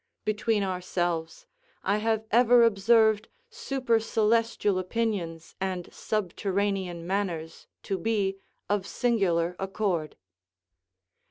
Between ourselves, I have ever observed supercelestial opinions and subterranean manners to be of singular accord.